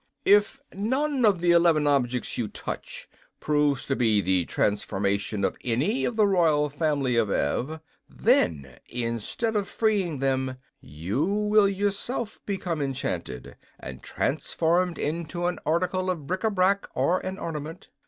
"If none of the eleven objects you touch proves to be the transformation of any of the royal family of Ev, then, instead of freeing them, you will yourself become enchanted, and transformed into an article of bric a brac or an ornament.